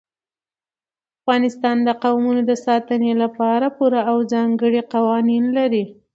افغانستان د قومونه د ساتنې لپاره پوره او ځانګړي قوانین لري.